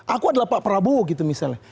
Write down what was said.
aku adalah pak prabowo gitu misalnya